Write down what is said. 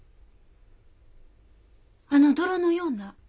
あの泥のような？